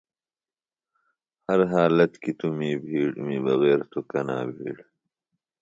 ہر حالت کی توۡ می بِھیڑ می بغیر توۡ کنا بِھیڑ۔